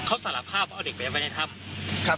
เขาสารภาพว่าเอาเด็กไปไว้ในถ้ำ